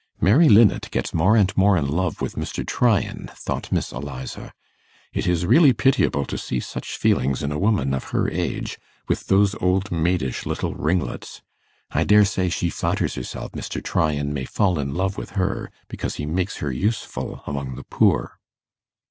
'Mary Linnet gets more and more in love with Mr. Tryan,' thought Miss Eliza; 'it is really pitiable to see such feelings in a woman of her age, with those old maidish little ringlets. I daresay she flatters herself Mr. Tryan may fall in love with her, because he makes her useful among the poor.